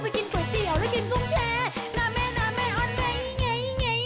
ไปกินก๋วยเจียวและกินกุ้งแชน่าแม่น่าแม่อ่อนแม่ไงไงไงไง